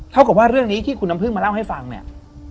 เท่ากับว่าเรื่องนี้ที่คุณน้ำพึ่งมาเล่าให้ฟังเนี่ย